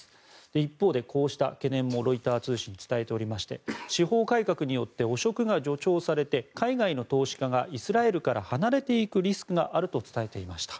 一方で、こうした懸念もロイター通信は伝えていまして司法改革によって汚職が助長されて海外の投資家がイスラエルから離れていくリスクがあると伝えていました。